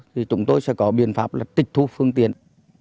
thì chúng tôi sẽ có biện pháp là tịch thu phương tiện